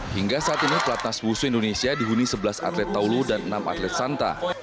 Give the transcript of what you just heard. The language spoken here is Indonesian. hingga saat ini pelatnas wusu indonesia dihuni sebelas atlet taulu dan enam atlet santa